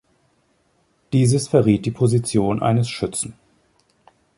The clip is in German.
Dieses verriet die Position eines Schützen.